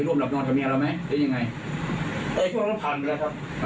ไปร่วมหลับนอนทะเมียเราไหมหรือยังไงเอ๊ะพันไปแล้วครับ